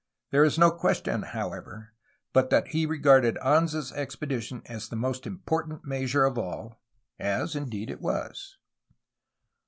There is no question, however, but that he regarded Anza's expedition as the most important measure of all, as indeed it was.